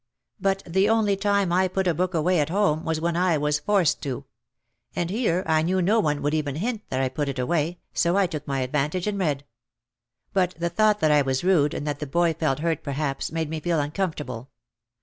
But the only time I put a book away at home was when I was forced to. And here I knew no one would even hint that I put it away so I took my advantage and read. But the thought that I was rude and that the boy felt hurt perhaps, made me feel uncomfortable.